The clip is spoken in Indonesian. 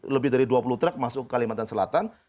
lebih dari dua puluh truk masuk ke kalimantan selatan